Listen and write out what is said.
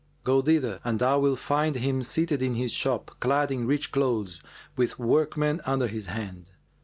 Go thither and thou wilt find him seated in his shop, clad in rich clothes, with workmen under his hand.